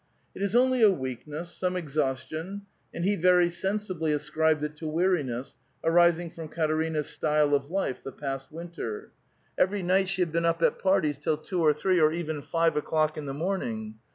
''It is onlj' a weakness, some exhaustion"; and he very sensibly ascribed it to weariness, arising from Katerina's style of life the past winter. Every night she had been up at parties till two or three, or even five o'clock, in the morn ing.